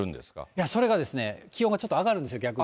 いや、それがですね、気温がちょっと上がるんですよ、逆に。